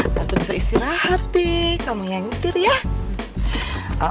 tentu bisa istirahat deh kamu yang ngitir ya oke